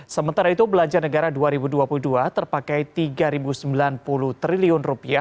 sementara itu belanja negara dua ribu dua puluh dua terpakai rp tiga sembilan puluh triliun